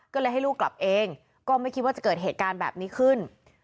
ก็เลยให้ลูกกลับเองก็ไม่คิดว่าจะเกิดเหตุการณ์แบบนี้ขึ้น